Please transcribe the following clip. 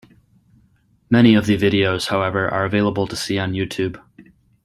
Many of the videos however, are available to see on YouTube.